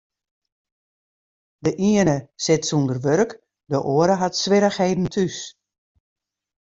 De iene sit sûnder wurk, de oare hat swierrichheden thús.